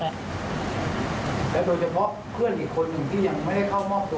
และโดยเฉพาะเพื่อนอีกคนหนึ่งที่ยังไม่ได้เข้ามอบตัว